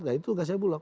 nah itu tugasnya bulog